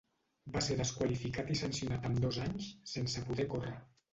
Va ser desqualificat i sancionat amb dos anys sense poder córrer.